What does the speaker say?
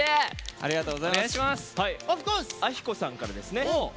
あひこさんからですね。